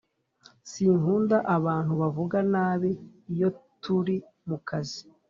Sinkunda abantu bavuga nabi iyo turi mukazi